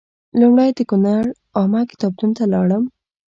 لومړی د کونړ عامه کتابتون ته لاړم.